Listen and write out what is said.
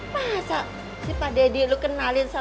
masa si pak daddy lo kenalin sama si mulut nyablak itu